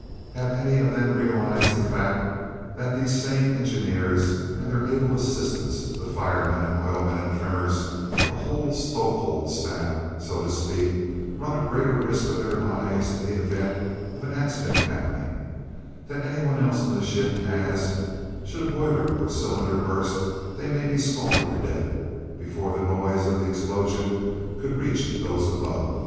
Have any of them realised the fact that these same engineers and their able assistants, the firemen and oilmen and trimmers, the whole stoke hold staff, so to speak, run a greater risk of their lives, in the event of an accident happening, than any one else in the ship, as, should a boiler or cylinder burst they may be scalded to death before the noise of the explosion could reach those above?